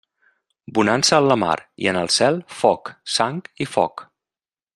Bonança en la mar i en el cel foc, sang i foc.